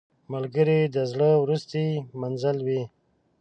ملګری د زړه وروستی منزل وي